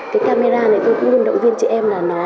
cái camera này tôi cũng luôn động viên trẻ em